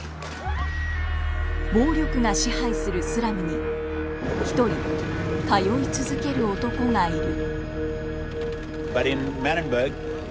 暴力が支配するスラムに一人通い続ける男がいる。